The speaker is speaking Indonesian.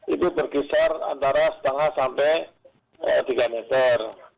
itu berkisar antara setengah sampai tiga meter